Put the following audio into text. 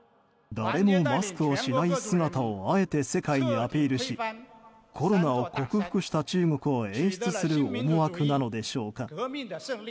誰もマスクをしない姿をあえて世界にアピールしコロナを克服した中国を演出する思惑なのでしょうか。